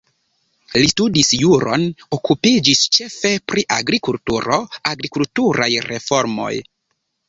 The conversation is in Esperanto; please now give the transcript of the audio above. Li studis juron, okupiĝis ĉefe pri agrikulturo, agrikulturaj reformoj.